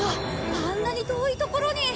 あんなに遠い所に！